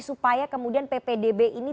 supaya kemudian ppdb ini